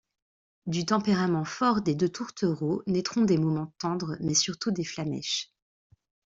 Du tempérament fort des deux tourtereaux naîtront des moments tendres, mais surtout des flammèches.